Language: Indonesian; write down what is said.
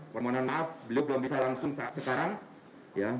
permohonan maaf beliau belum bisa langsung saat sekarang